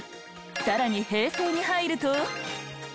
更に平成に入ると。